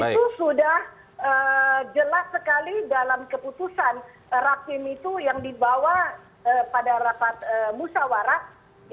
itu sudah jelas sekali dalam keputusan rakim itu yang dibawa pada rapat musawarah